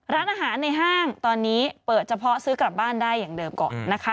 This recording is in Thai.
ร้านอาหารในห้างตอนนี้เปิดเฉพาะซื้อกลับบ้านได้อย่างเดิมก่อนนะคะ